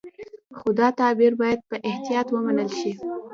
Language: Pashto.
خو دا تعبیر باید په احتیاط ومنل شي.